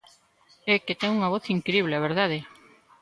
É que ten unha voz incrible, a verdade!